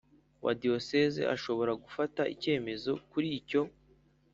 wa Diyosezi ashobora gufata icyemezo kuri icyo